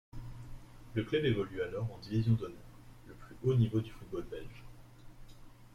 Le club évolue alors en Division d'Honneur, le plus haut niveau du football belge.